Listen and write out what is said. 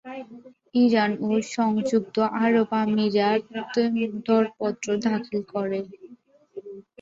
Iran ও সংযুক্ত আরব আমিরাত দরপত্র দাখিল করে।